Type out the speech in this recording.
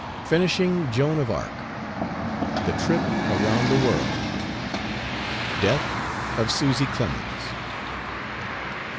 FINISHING "JOAN OF ARC." THE TRIP AROUND THE WORLD. DEATH OF SUSY CLEMENS.